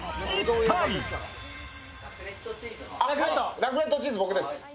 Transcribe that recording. ラクレットチーズ、僕です。